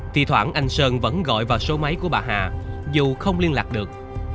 thi thoảng anh sơn vẫn gọi vào số máy của bà hà dù không liên lạc được